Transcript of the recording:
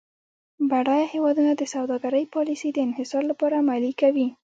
بډایه هیوادونه د سوداګرۍ پالیسي د انحصار لپاره عملي کوي.